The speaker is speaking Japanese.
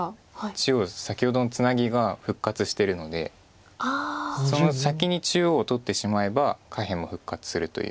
中央先ほどのツナギが復活してるので先に中央取ってしまえば下辺も復活するという。